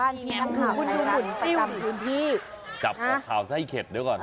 บ้านนี้นักข่าวไทยรัฐไปตามพื้นที่จับข่าวไทยเข็ดเดี๋ยวก่อน